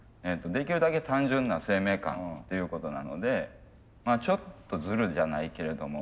できるだけ単純な生命感っていうことなのでちょっとズルじゃないけれども。